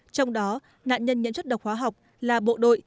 trong đó nạn nhân nhiễm chất độc hóa học là bộ đội